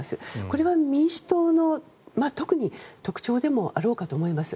これは民主党の、特に特徴でもあろうかと思います。